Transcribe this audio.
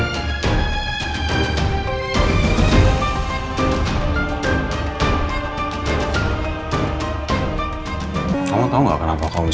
terima kasih sampe akhirnya om tidak menggunakan hati nurani om sendiri